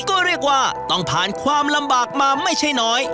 ก็เรียกว่าต้องผ่านความลำบากมาไม่ใช่น้อย